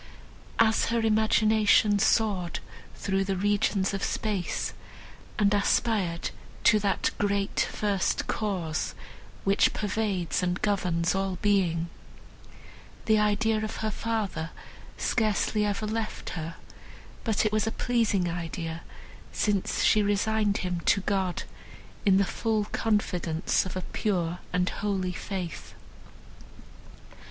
As her imagination soared through the regions of space, and aspired to that Great First Cause, which pervades and governs all being, the idea of her father scarcely ever left her; but it was a pleasing idea, since she resigned him to God in the full confidence of a pure and holy faith.